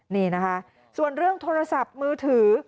นี่นะคะส่วนเรื่องโทรศัพท์มือถือ